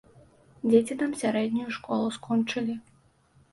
Дзеці там сярэднюю школу скончылі.